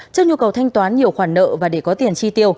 trước nhu cầu thanh toán nhiều khoản nợ và để có tiền chi tiêu